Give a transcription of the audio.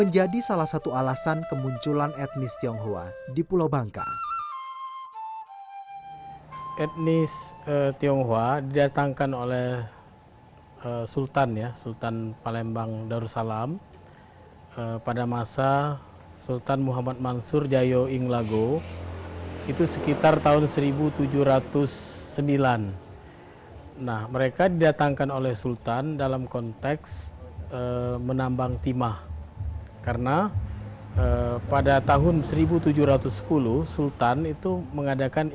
jadi semacam ditipu oleh pemerintah hindia belanda